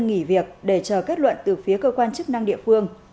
nghỉ việc để chờ kết luận từ phía cơ quan chức năng địa phương